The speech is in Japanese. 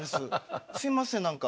すいません何か。